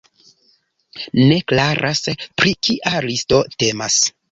Ne klaras, pri kia listo temas.